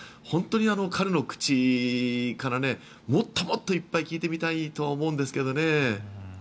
本当に彼の口からもっともっといっぱい聞いてみたいと思うんですけどね。